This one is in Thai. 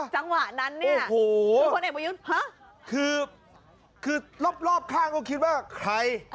จังหวะนั้นเนี่ยโอ้โหคือรอบข้างก็คิดว่าใคร